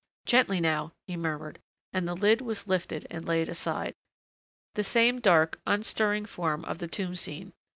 "Gently now," he murmured and the lid was lifted and laid aside. The same dark, unstirring form of the tomb scene.